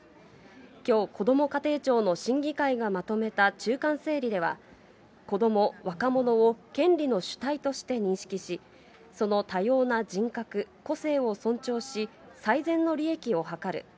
きょう、こども家庭庁の審議会がまとめた中間整理では、こども・若者を権利の主体として認識し、その多様な人格、個性を尊重し、最善の利益を図る。